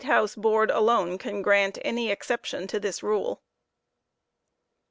House Board alone can grant any exception to this rule.